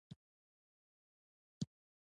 مورغاب سیند د افغانستان د صادراتو یوه برخه ده.